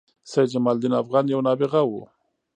سيدجمال الدين افغان یو نابغه وه